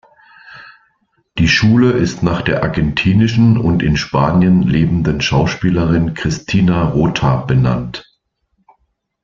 Die Schule ist nach der argentinischen und in Spanien lebenden Schauspielerin Cristina Rota benannt.